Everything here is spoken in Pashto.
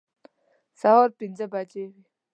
سهار پنځه بجې وې.